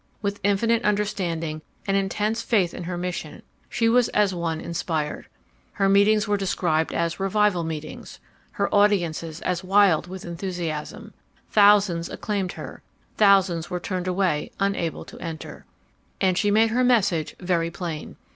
With infinite understanding and intense faith in her mission, she was as one inspired. Her meetings were described as 'revival meetings,' her audiences as 'wild with enthusiasm.' Thousands acclaimed her, thousands were turned away unable to enter ... "And she made her message very plain.